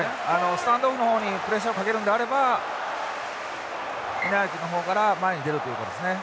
スタンドオフの方にプレッシャーをかけるのであれば稲垣の方から前に出るということですね。